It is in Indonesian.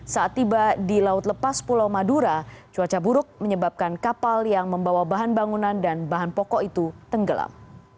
saat tiba di laut lepas pulau madura cuaca buruk menyebabkan kapal yang membawa bahan bangunan dan bahan pokok itu tenggelam